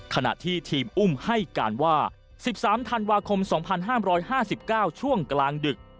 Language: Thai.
ขณะที่ทีมอุ้มให้การว่า๑๓ธันวาคม๒๕๕๙ช่วงกลางดึก